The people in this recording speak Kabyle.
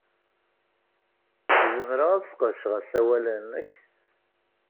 Zemreɣ ad sqedceɣ asawal-nnek?